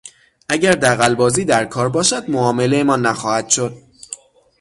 اگر دغلبازی در کار باشد معاملهمان نخواهد شد.